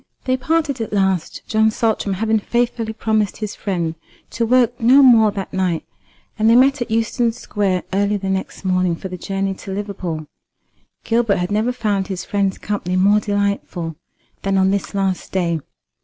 They parted at last, John Saltram having faithfully promised his friend to work no more that night, and they met at Euston Square early the next morning for the journey to Liverpool. Gilbert had never found his friend's company more delightful than on this last day.